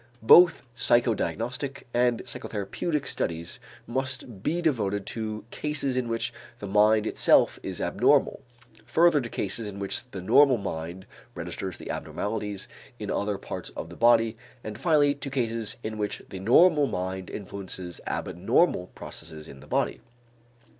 Both psychodiagnostic and psychotherapeutic studies must be devoted to cases in which the mind itself is abnormal, further to cases in which the normal minds registers the abnormalities in other parts of the body, and finally to cases in which the normal mind influences abnormal processes in the body.